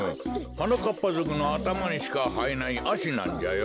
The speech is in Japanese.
はなかっぱぞくのあたまにしかはえないアシなんじゃよ。